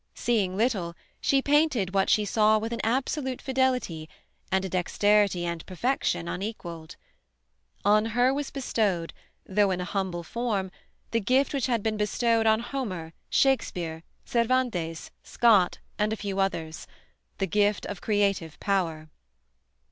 Seeing little, she painted what she saw with absolute fidelity and a dexterity and perfection unequalled. "On her was bestowed, though in a humble form, the gift which had been bestowed on Homer, Shakespeare, Cervantes, Scott, and a few others, the gift of creative power."